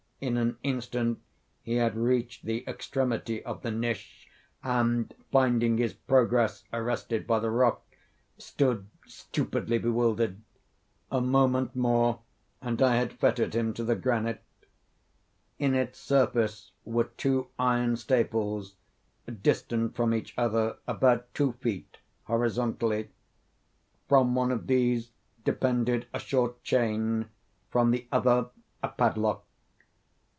In an instant he had reached the extremity of the niche, and finding his progress arrested by the rock, stood stupidly bewildered. A moment more and I had fettered him to the granite. In its surface were two iron staples, distant from each other about two feet, horizontally. From one of these depended a short chain, from the other a padlock.